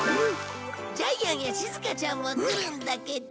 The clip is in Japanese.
ジャイアンやしずかちゃんも来るんだけど。